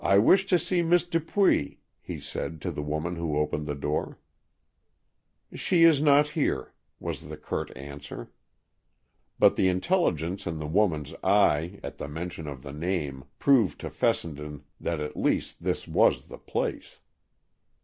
"I wish to see Miss Dupuy," he said, to the woman who opened the door. "She is not here," was the curt answer. But the intelligence in the woman's eye at the mention of the name proved to Fessenden that at least this was the place.